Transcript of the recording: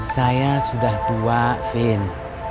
saya sudah tua vin